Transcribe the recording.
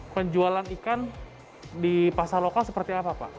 penjualan ikan di pasar lokal seperti apa pak